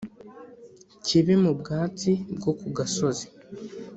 Kibe mu bwatsi bwo ku gasozi